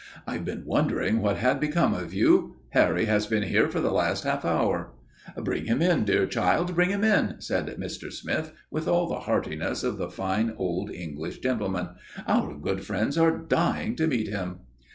"I've been wondering what had become of you. Harry has been here for the last half hour." "Bring him in, dear child, bring him in!" said Mr. Smith, with all the heartiness of the fine old English gentleman. "Our good friends are dying to meet him."